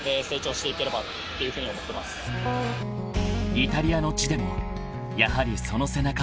［イタリアの地でもやはりその背中は大きかった］